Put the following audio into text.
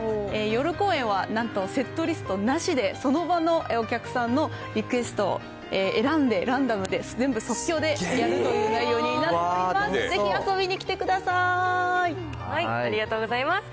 夜公演はなんと、セットリストなしで、その場のお客さんのリクエストを選んで、ランダムで、全部即興でやるという内容になっています。